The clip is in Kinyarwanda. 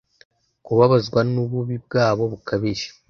Kubabazwa nububi bwabo bukabije